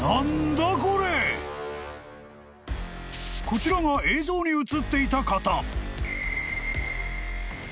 ［こちらが映像に映っていた方］